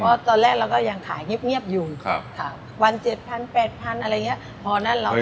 เพราะตอนแรกเราก็ยังขายเงี๊บเงี๊บอยู่ครับค่ะวันเจ็ดพันแปดพันอะไรเงี้ยพอนั่นเราทำ